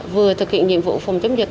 vừa thực hiện nhiệm vụ phòng chống dịch